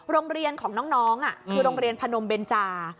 โรงเรียนของน้องคือโรงเรียนพนมเบนจา